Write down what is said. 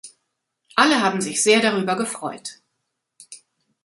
Alle haben sich sehr darüber gefreut.